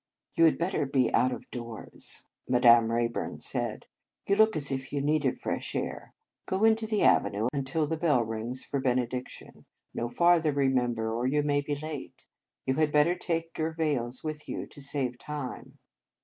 " You had better be out of doors," Madame Rayburn said. "You look as if you needed fresh air. Go into the avenue until the bell rings for Benediction. No farther, remember, or you may be late. You had better take your veils with you to save time."